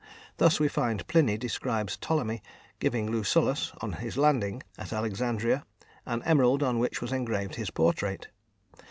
Thus we find Pliny describes Ptolemy giving Lucullus, on his landing at Alexandria, an emerald on which was engraved his portrait.